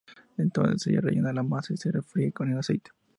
Entonces se rellena la masa y se fríe en aceite.